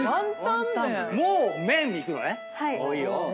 もう麺にいくのね。